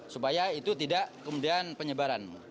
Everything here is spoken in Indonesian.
supaya itu tidak kemudian penyebaran